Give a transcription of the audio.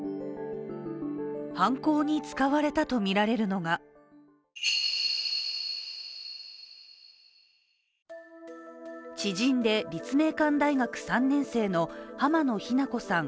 犯行に使われたとみられるのが知人で立命館大学３年生の濱野日菜子さん